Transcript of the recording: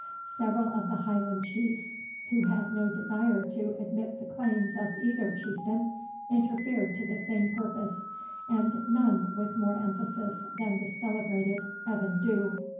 Several of the Highland Chiefs, who had no desire to admit the claims of either chieftain, interfered to the same purpose, and none with more emphasis than the celebrated Evan Dhu.